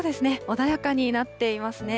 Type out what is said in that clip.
穏やかになっていますね。